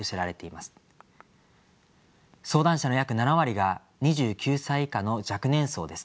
相談者の約７割が２９歳以下の若年層です。